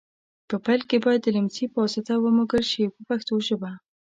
په پیل کې باید د لمڅي په واسطه ومږل شي په پښتو ژبه.